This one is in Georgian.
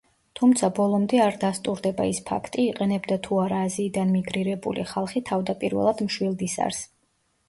თუმცა ბოლომდე არ დასტურდება ის ფაქტი იყენებდა თუ არა აზიიდან მიგრირებული ხალხი თავდაპირველად მშვილდ-ისარს.